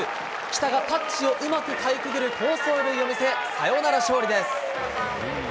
来田がタッチをうまくかいくぐる好走塁を見せ、サヨナラ勝利です。